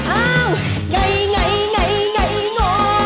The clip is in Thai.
อ้าวไงงอง